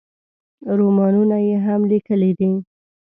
رومانونه یې هم لیکلي دي.